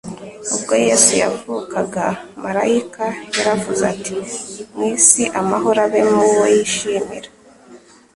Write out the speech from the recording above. Ubwo Yesu yavukaga, maraika yaravuze ati : mu isi amahoro abe mu bo yishimira